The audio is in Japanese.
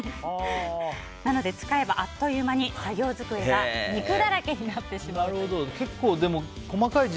なので使えばあっという間に作業机が肉だらけになってしまうと。